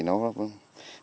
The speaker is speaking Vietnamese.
cái việc làm này thì